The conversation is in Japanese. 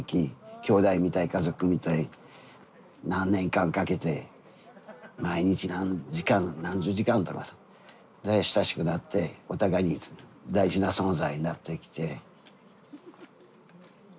きょうだいみたい家族みたい何年間かけて毎日何時間何十時間とかさで親しくなってお互いに大事な存在になってきて。